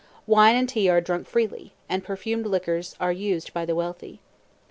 Wine and tea are drunk freely, and perfumed liquors are used by the wealthy.